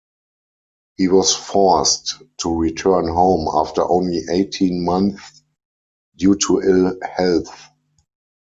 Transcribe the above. He was forced to return home after only eighteen months due to ill health.